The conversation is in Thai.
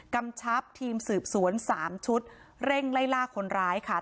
กำชับทีมสืบสวน๓ชุดเร่งไล่ล่าคนร้ายค่ะ